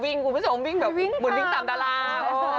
วิ่งคุณผู้ชมวิ่งเบบเหมือนวิ่งตามดารา